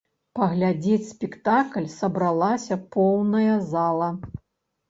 Паглядзець спектакль сабралася поўная зала.